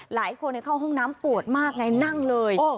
หลายคนเข้าห้องน้ำปวดมากไงนั่งเลย